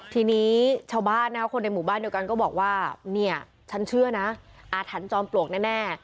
ทีนี้ชาวบ้านนะครับคนในหมู่บ้านเดียวกันก็บอกว่าเนี่ยฉันเชื่อนะอาถรรพ์จอมปลวกแน่